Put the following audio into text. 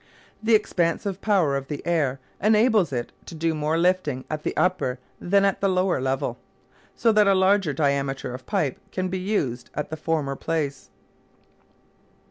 The expansive power of the air enables it to do more lifting at the upper than at the lower level, so that a larger diameter of pipe can be used at the former place.